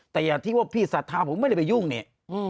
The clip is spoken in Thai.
แต่อย่าที่ว่าพี่ศรัทธาผมไม่ได้ไปยุ่งเนี่ย